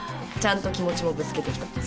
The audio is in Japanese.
ちゃんと気持ちもぶつけてきた。